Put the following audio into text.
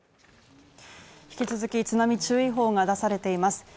引き続き津波注意報が出されています